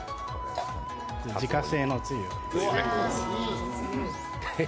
自家製のつゆです。